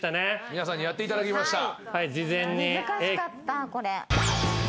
皆さんにやっていただきました。